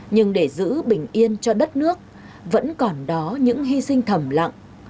nhưng để giữ bình yên cho đất nước vẫn còn đó những hy sinh thầm lặng